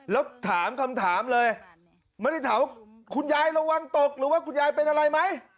แล้วถามคำถามเลยไม่ได้ถามคุณยายระวังตกหรือว่าคุณยายเป็นอะไรไหม